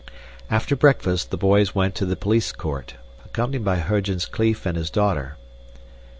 After breakfast the boys went to the police court, accompanied by Huygens Kleef and his daughter.